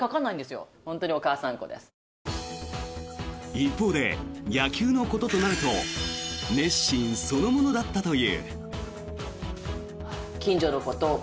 一方で、野球のこととなると熱心そのものだったという。